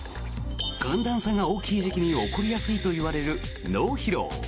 寒暖差が大きい時期に起こりやすいといわれる脳疲労。